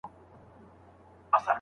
د يوسفي ښکلا مېرمنې نوره مه راگوره